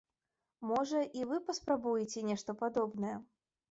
Можа, і вы паспрабуеце нешта падобнае?